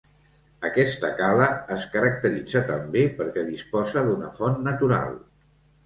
Aquesta cala es caracteritza també perquè disposa d'una font natural.